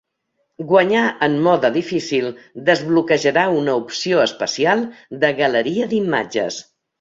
Guanyar en mode difícil desbloquejarà una opció especial de "Galeria d'imatges".